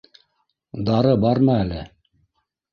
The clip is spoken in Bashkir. — Дары бармы әле?